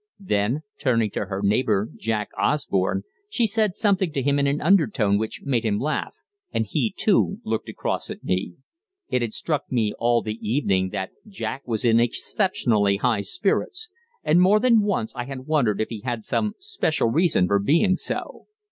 Then, turning to her neighbour, Jack Osborne, she said something to him in an undertone which made him laugh, and he too looked across at me. It had struck me all the evening that Jack was in exceptionally high spirits, and more than once I had wondered if he had some special reason for being so.